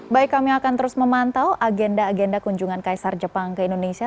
baik kami akan terus memantau agenda agenda kunjungan kaisar jepang ke indonesia